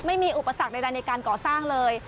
อุปสรรคใดในการก่อสร้างเลย